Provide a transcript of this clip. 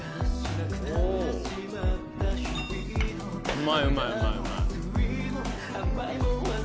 うまいうまいうまい。